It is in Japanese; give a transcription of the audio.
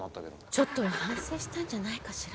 ちょっとは反省したんじゃないかしら。